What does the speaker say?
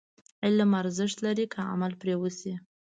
علم ارزښت لري، که عمل پرې وشي.